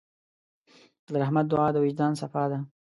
د رحمت دعا د وجدان صفا ده.